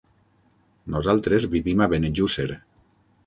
Nosaltres vivim a Benejússer.